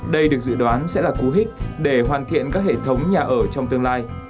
đây được dự đoán sẽ là cú hích để hoàn thiện các hệ thống nhà ở trong tương lai